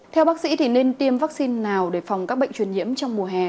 theo bác sĩ thì nên tiêm vaccine nào để phòng các bệnh truyền nhiễm trong mùa hè